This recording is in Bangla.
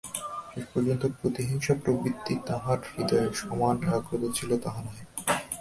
শেষ পর্যন্তই প্রতিহিংসাপ্রবৃত্তি তাঁহার হৃদয়ে সমান জাগ্রত ছিল তাহা নহে।